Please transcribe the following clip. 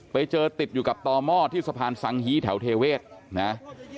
ไปเจอติดอยู่กับต่อหม้อที่สะพานสังฮีแถวเทเวศนะ